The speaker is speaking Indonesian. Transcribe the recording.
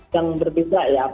yang berbeda ya